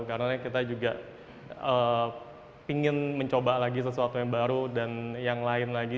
karena kita juga pingin mencoba lagi sesuatu yang baru dan yang lain lagi